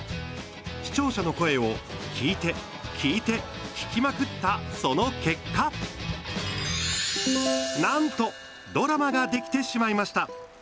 視聴者の声を聞いて聞いて聞きまくった、その結果なんとドラマができてしまいました。